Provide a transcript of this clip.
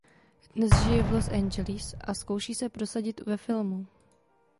Dnes žije v Los Angeles a zkouší se prosadit ve filmu.